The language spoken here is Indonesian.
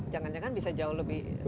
jangan jangan bisa jauh lebih